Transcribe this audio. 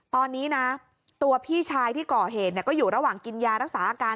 ตอนนี้นะตัวพี่ชายที่ก่อเหตุก็อยู่ระหว่างกินยารักษาอาการ